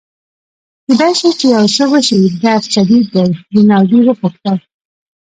کیدای شي چي یو څه وشي، درد شدید دی؟ رینالډي وپوښتل.